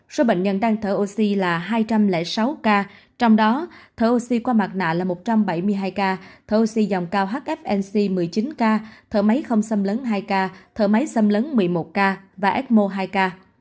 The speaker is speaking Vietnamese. số bệnh nhân đang thở oxy là hai trăm linh sáu ca trong đó thở oxy qua mặt nạ là một trăm bảy mươi hai ca oxy dòng cao hf nc một mươi chín ca thở máy không xâm lấn hai ca thở máy xâm lấn một mươi một ca và ecmo hai ca